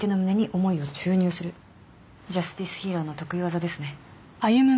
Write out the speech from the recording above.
ジャスティスヒーローの得意技ですね。